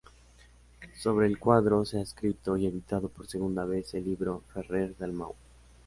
Sobre el cuadro se ha escrito y editado por segunda vez el libro "Ferrer-Dalmau.